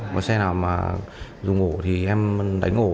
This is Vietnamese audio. có xe nào mà dùng ổ thì em đánh ổ